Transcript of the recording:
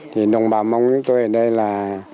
thì đồng bào mông như tôi ở đây là